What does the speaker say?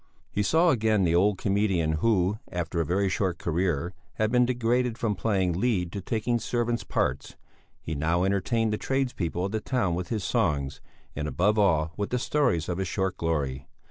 He saw again the old comedian who, after a very short career, had been degraded from playing lead to taking servant's parts; he now entertained the tradespeople of the town with his songs, and, above all, with the stories of his short glory.